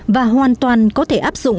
và hoàn toàn có thể áp dụng